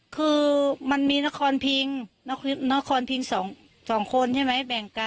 คือมันมีนครพิงนครพิง๒คนใช่ไหม